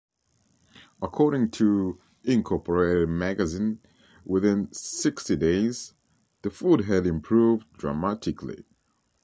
According to "Incorporated Magazine", within sixty days "the food had improved dramatically.